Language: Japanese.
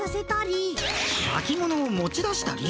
まき物を持ち出したり。